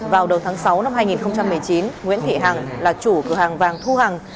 vào đầu tháng sáu năm hai nghìn một mươi chín nguyễn thị hằng là chủ cửa hàng vàng thu hằng